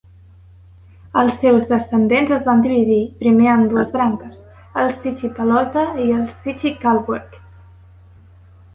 Els seus descendents es van dividir, primer en dues branques: els Zichy-Palota i els Zichy-Karlburg.